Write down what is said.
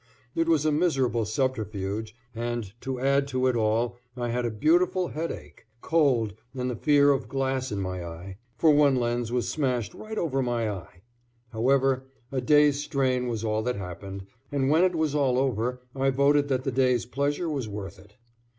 It was a miserable subterfuge, and to add to it all I had a beautiful headache; cold, and the fear of glass in my eye for one lense was smashed right over my eye. However, a day's strain was all that happened, and when it was all over I voted that the day's pleasure was worth it.